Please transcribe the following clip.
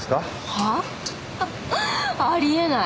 はあ？あり得ない！